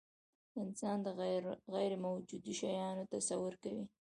انسان د غیرموجودو شیانو تصور کوي.